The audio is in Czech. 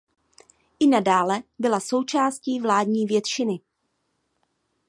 I nadále byla součástí vládní většiny.